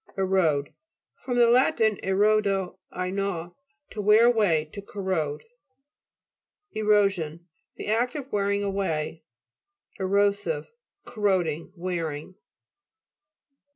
ERO'DE fr. lat. erodo, I gnaw. To wear away, to corrode. ERO'SION The act of wearing away. ERO'SIVE Corroding, wearing.